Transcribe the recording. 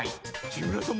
木村さん